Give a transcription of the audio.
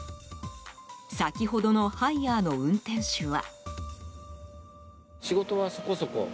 先ほどのハイヤーの運転手は。